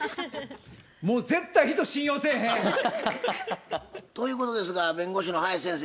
もう絶対人信用せえへん。ということですが弁護士の林先生